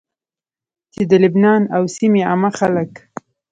چې د لبنان او سيمي عامه خلک